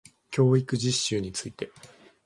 教育実習について